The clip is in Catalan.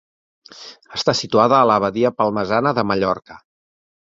Està situada a la badia palmesana de Mallorca.